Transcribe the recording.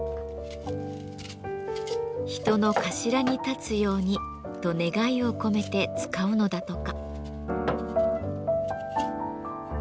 「人の頭に立つように」と願いを込めて使うのだとか。